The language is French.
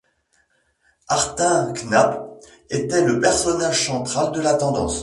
Martin Knapp était le personnage central de cette tendance.